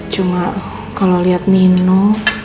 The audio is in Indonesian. cuma kalau liat nino